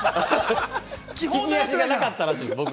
利き足がなかったらしいです。